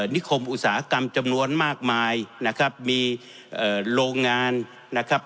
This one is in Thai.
นิคมอุตสาหกรรมจำนวนมากมายนะครับมีเอ่อโรงงานนะครับ